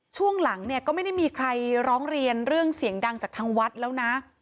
ช่วงหลังเนี่ยก็ไม่ได้มีใครร้องเรียนเรื่องเสียงดังจากทางวัดแล้วนะ